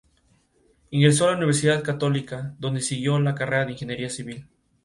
Ingresó a la Universidad Católica, donde siguió la carrera de ingeniería civil.